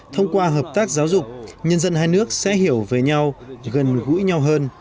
thông qua hợp tác giáo dục nhân dân hai nước sẽ hiểu về nhau gần gũi nhau hơn